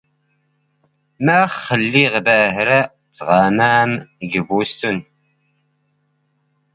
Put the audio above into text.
ⵎⴰⵅⵅ ⵍⵍⵉⵖ ⴱⴰⵀⵔⴰ ⵜⵖⴰⵎⴰⵎ ⴳ ⴱⵓⵙⵜⵏ?